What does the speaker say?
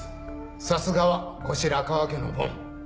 さすがは後白河家のボン。